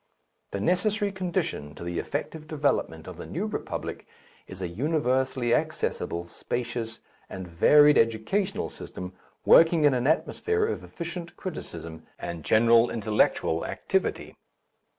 The necessary condition to the effective development of the New Republic is a universally accessible, spacious, and varied educational system working in an atmosphere of efficient criticism and general intellectual activity.